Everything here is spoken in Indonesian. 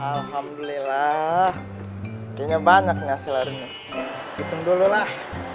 alhamdulillah kayaknya banyak ngasih larinya hitung dululah